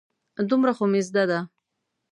دومره خو مې زده ده.